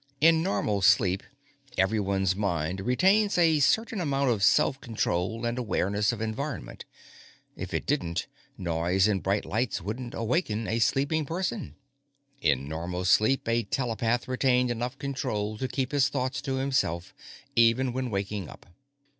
In normal sleep, everyone's mind retains a certain amount of self control and awareness of environment. If it didn't, noise and bright lights wouldn't awaken a sleeping person. In normal sleep, a telepath retained enough control to keep his thoughts to himself, even when waking up.